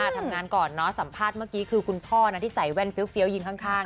ทำงานก่อนเนอะสัมภาษณ์เมื่อกี้คือคุณพ่อที่ใส่แว่นเฟี้ยวยิงข้าง